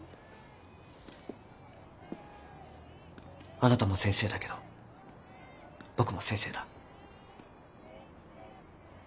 あなたも先生だけど僕も先生だ。